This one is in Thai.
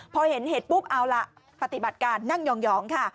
พอเห็นเห็ดปุ๊บเอาล่ะปฏิบัติการนั่งยองค่ะ